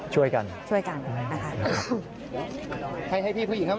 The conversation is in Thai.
ช่วยกันช่วยกันนะครับ